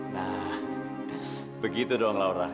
nah begitu dong laura